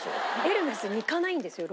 エルメスに行かないんですよ